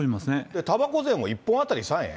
たばこ税も１本当たり３円？